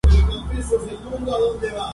No se agrega ningún octeto nulo.